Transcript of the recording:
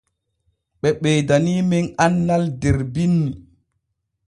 Ɓe ɓeedaniimen annal der binni.